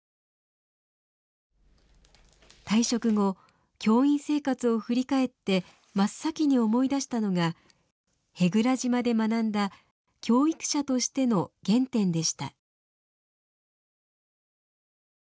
退職後教員生活を振り返って真っ先に思い出したのが舳倉島で学んだ教育者としての原点でした。